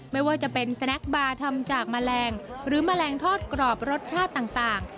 ไม่ว่าจะเป็นสแนคบาร์ทำจากแมลงหรือแมลงทอดกรอบรสชาติต่าง